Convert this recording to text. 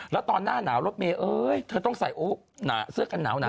แล้วตอนหน้าหนาวรถเมย์เธอต้องใส่เสื้อกันหนาว